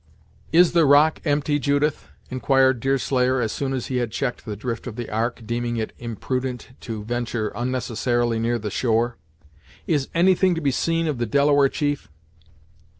"Is the rock empty, Judith?" inquired Deerslayer, as soon as he had checked the drift of the Ark, deeming it imprudent to venture unnecessarily near the shore. "Is any thing to be seen of the Delaware chief?"